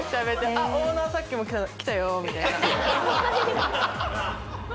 「オーナーさっきも来たよ」みたいな。